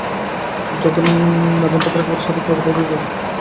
যখন নাবেন, তখন একেবারে সাধককে অধঃপাতে নিয়ে গিয়ে ছাড়েন।